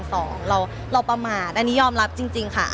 เราประมาทอันนี้ยอมรับจริงค่ะ